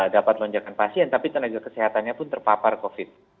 dapat lonjarkan pasien tapi tenaga kesehatannya pun terpapar covid sembilan belas